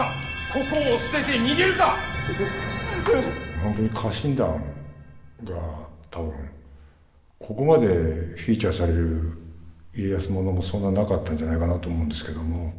本当に家臣団が多分ここまでフィーチャーされる家康物もそんななかったんじゃないかなと思うんですけども。